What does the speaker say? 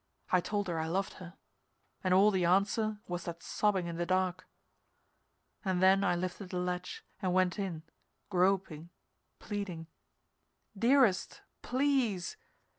I told her I loved her. And all the answer was that sobbing in the dark. And then I lifted the latch and went in, groping, pleading. "Dearest please!